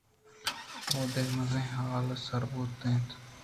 آوہدے مزنیں ہالءَ سر بوت اَنت